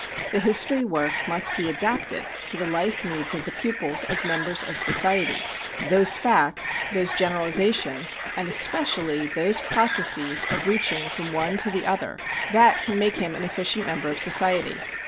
The history work must be adapted to the life needs of the pupils as members of society: those facts, those generalizations, and especially those processes of reaching from one to the other, that can make him an efficient member of society.